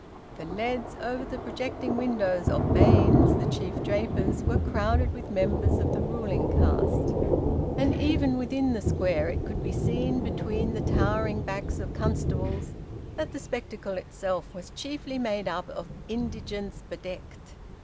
The `leads' over the projecting windows of Baines's, the chief draper's, were crowded with members of the ruling caste. And even within the Square, it could be seen, between the towering backs of constables, that the spectacle itself was chiefly made up of indigence bedecked.